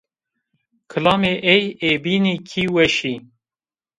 Kilamê ey ê bînî kî weş ê.